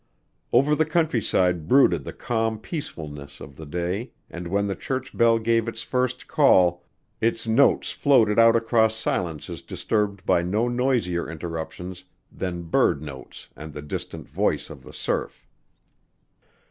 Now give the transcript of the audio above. Over the countryside brooded the calm peacefulness of the day and when the church bell gave its first call, its notes floated out across silences disturbed by no noisier interruptions than bird notes and the distant voice of the surf.